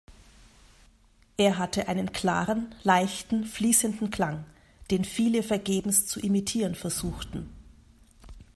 Er hatte einen klaren, leichten, fließenden Klang, den viele vergebens zu imitieren versuchten.